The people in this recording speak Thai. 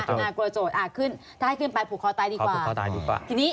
ถ้าให้ขึ้นไปผูกคล้าตายดีกว่า